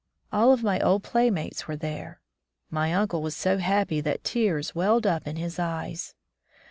All of my old playmates were there. My uncle was so happy that tears welled up in his eyes.